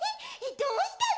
どうしたの？